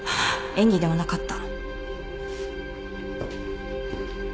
演技ではなかった。